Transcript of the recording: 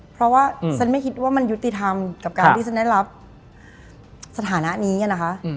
เพราะว่าฉันไม่คิดว่ามันยุติธรรมกับการที่ฉันได้รับสถานะนี้นะคะ